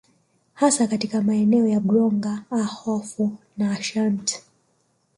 Hasa katika maeneo ya Bronga Ahafo na Ashant